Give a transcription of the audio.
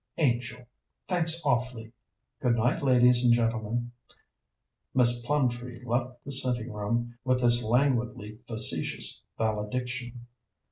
"Angel, thanks awfully. Good night, ladies and gentlemen." Miss Plumtree left the sitting room with this languidly facetious valediction.